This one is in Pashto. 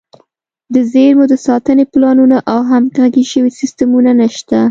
د زیرمو د ساتنې پلانونه او همغږي شوي سیستمونه نشته.